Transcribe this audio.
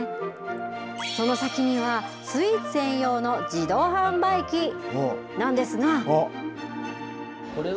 その先にはスイーツ専用の自動販売機なんですが。